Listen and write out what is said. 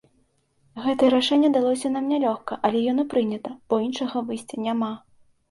Гэтае рашэнне далося нам нялёгка, але яно прынята, бо іншага выйсця няма.